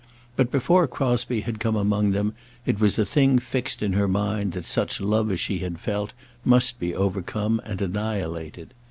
But before Crosbie had come among them, it was a thing fixed in her mind that such love as she had felt must be overcome and annihilated.